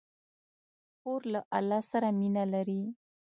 خور له الله سره مینه لري.